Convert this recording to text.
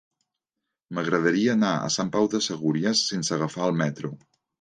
M'agradaria anar a Sant Pau de Segúries sense agafar el metro.